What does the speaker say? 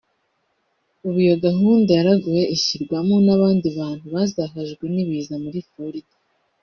ubu iyo gahunda yaraguwe ishyirwamo n’abandi bantu bazahajwe n’ibiza muri Florida